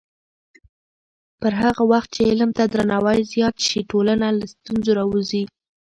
پر هغه وخت چې علم ته درناوی زیات شي، ټولنه له ستونزو راووځي.